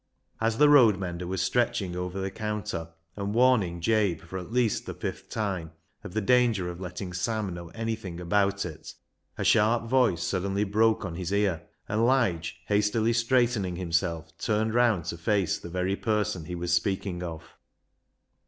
As the road mender was stretching over the counter, and warning Jabe, for at least the fifth tim.e, of the danger of letting Sam know any thing about it, a sharp voice suddenly broke on his ear, and Lige, hastily straightening himself, turned round to face the very person he was speaking of.